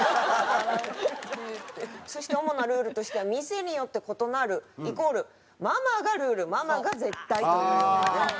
そして主なルールとしては店によって異なるイコールママがルールママが絶対というようなね。